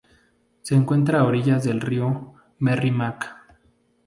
Se encuentra a orillas del río Merrimack.